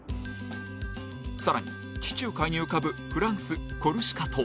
更に、地中海に浮かぶフランス・コルシカ島。